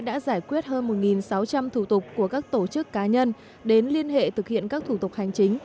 đã giải quyết hơn một sáu trăm linh thủ tục của các tổ chức cá nhân đến liên hệ thực hiện các thủ tục hành chính